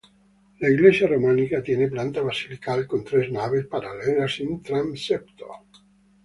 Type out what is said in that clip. La iglesia románica tiene planta basilical con tres naves paralelas sin transepto.